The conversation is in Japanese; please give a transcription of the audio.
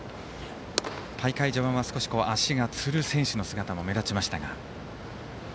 大会序盤は足がつる選手の姿も目立ちました。